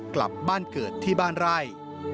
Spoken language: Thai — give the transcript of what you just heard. กลับบ้านเกิดที่บ้านไร่